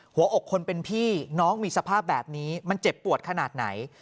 หัวอกคนเป็นพี่น้องมีสภาพแบบนี้มันเจ็บปวดขนาดไหน